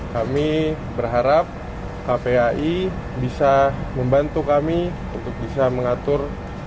kami berharap kpai bisa membantu kami untuk bisa mengatur